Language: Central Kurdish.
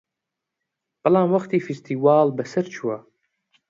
بەڵام وەختی فستیواڵ بەسەر چووە